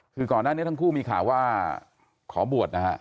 คือก่อนหน้านี้ทั้งคู่มีข่าวว่าขอบวชนะฮะ